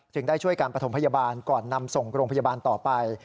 ได้ช่วยการประถมพยาบาลก่อนนำส่งโรงพยาบาลต่อไป